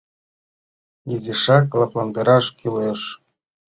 «Изишак лыпландараш кӱлеш.